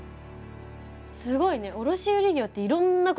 すごいね卸売業っていろんなこともしてるんだね。